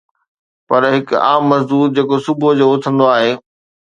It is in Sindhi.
پر هڪ عام مزدور جيڪو صبح جو اٿندو آهي